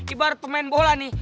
ibar pemain bola nih